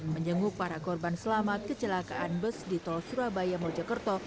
menjenguk para korban selamat kecelakaan bus di tol surabaya mojokerto